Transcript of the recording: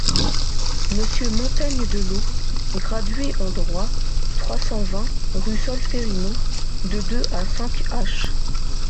Monsieur Montaigne-Delos, gradué en droit, trois cent vingt, rue Solférino, de deux à cinq h.